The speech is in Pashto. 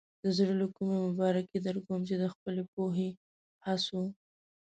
د زړۀ له کومې مبارکي درکوم چې د خپلې پوهې، هڅو.